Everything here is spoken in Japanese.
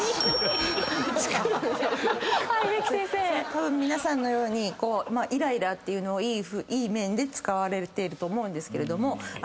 たぶん皆さんのようにイライラっていうのをいい面で使われていると思うんですけれども。